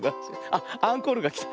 あっアンコールがきた。